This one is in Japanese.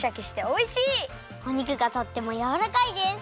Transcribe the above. お肉がとってもやわらかいです！